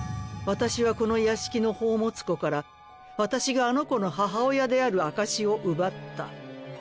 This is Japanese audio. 私はこの屋敷の宝物庫から私があの子の母親である証しを奪った。